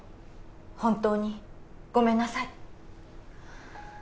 本当にごめんなさい